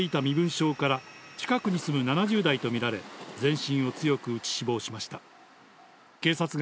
男性は持っていた身分証から、近くに住む７０代と見られ、全身を強く打ち、死亡しました。